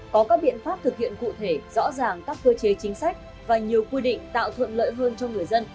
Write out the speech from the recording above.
có các biện pháp thực hiện cụ thể rõ ràng các cơ chế chính sách và nhiều quy định tạo thuận lợi hơn cho người dân